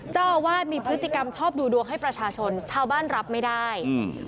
เจ้าอาวาสมีพฤติกรรมชอบดูดวงให้ประชาชนชาวบ้านรับไม่ได้อืม